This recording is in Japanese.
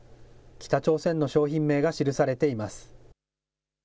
北朝鮮の商品名が記されています。